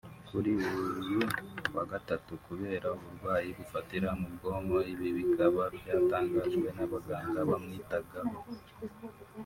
kuri uyu wagatatu kubera uburwayi bufatira mu bwonko ibi bikaba byatangajwe n’abaganga bamwitagaho